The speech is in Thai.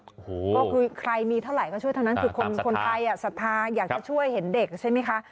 ก็คือใครมีเท่าไหร่ก็ช่วยเท่านั้นคือคนไทยศรัทธาอยากจะช่วยเห็นเด็กใช่ไหมคะ